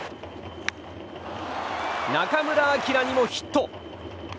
中村晃にもヒット。